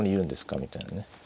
みたいなね。